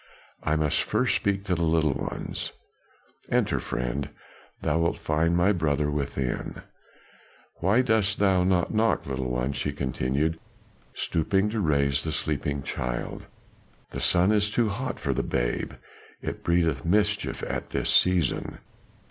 "I must first speak to the little ones. Enter, friend, thou wilt find my brother within. Why didst thou not knock, little one?" she continued, stooping to raise the sleeping child, "the sun is too hot for the babe; it breedeth mischief at this season.